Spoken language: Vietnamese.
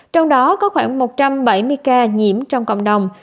trong đó có khoảng một trăm bảy mươi ca nhiễm trong cộng đồng